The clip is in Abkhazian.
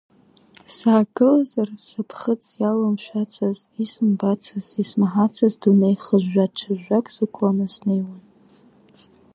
Саагылазар сыԥхыӡ иаламшәацыз, исымбацыз, исмаҳацыз дунеи хыжәжәа-ҿыжәжәак сықәланы снеиуан.